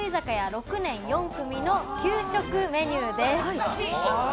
６年４組の給食メニューです。